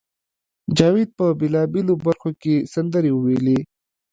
جاوید په بېلابېلو برخو کې سندرې وویلې